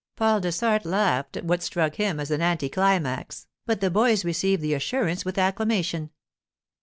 Paul Dessart laughed at what struck him as an anticlimax, but the boys received the assurance with acclamation.